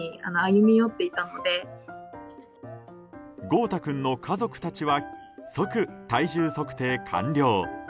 豪太君の家族たちは即、体重測定完了。